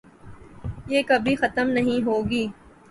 یہ کبھی ختم نہ ہوگی ۔